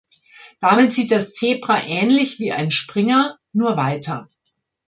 Damit zieht das Zebra ähnlich wie ein Springer, nur weiter.